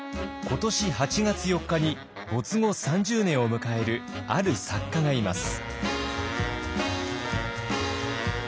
今年８月４日に没後３０年を迎えるある作家がいます。